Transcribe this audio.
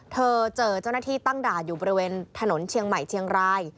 เจอเจ้าหน้าที่ตั้งด่านอยู่บริเวณถนนเชียงใหม่เชียงราย